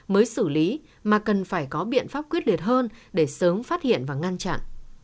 mới xử lý mà cần phải có biện pháp quyết liệt hơn để sớm phát hiện và ngăn chặn